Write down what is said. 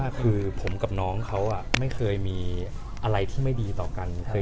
อันนี้ผมพูดจริง้ะกับน้องเขาไม่เคยมีอะไรที่ไม่ดีต่อกัน